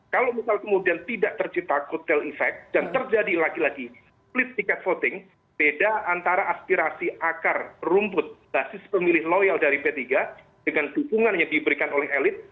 kalau misal kemudian tidak tercipta kotel efek dan terjadi lagi lagi split ticket voting beda antara aspirasi akar rumput basis pemilih loyal dari p tiga dengan dukungan yang diberikan oleh elit